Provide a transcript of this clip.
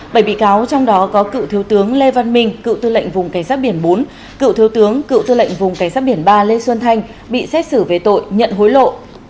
bảy bị cáo trong đó có cựu thiếu tướng lê văn minh cựu tư lệnh vùng cảnh sát biển bốn cựu thiếu tướng cựu tư lệnh vùng cảnh sát biển ba lê xuân thanh bị xét xử về tội nhận hối lộ